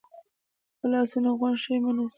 خپل لاسونه غونډ شوي مه نیسئ،